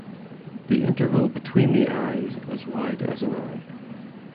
The interval between the eyes as wide as an eye.